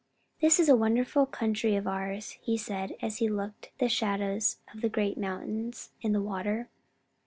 "This is a wonderful country of ours," he said, as he looked at the shadows of the great mountains in the water.